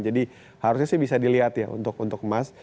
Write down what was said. jadi harusnya sih bisa dilihat ya untuk emas